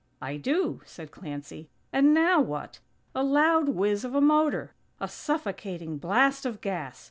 "I do," said Clancy. "And now what? A loud whizz of a motor! A suffocating blast of gas!